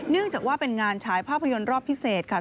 เนื่องจากว่าเป็นงานฉายภาพยนตร์รอบพิเศษค่ะ